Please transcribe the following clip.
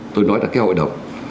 tôi nói là cái hội đồng